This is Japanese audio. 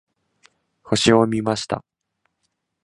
星を見ました。